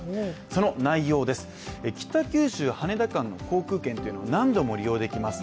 その内容です、北九州−羽田の航空券というのが何度も利用できます。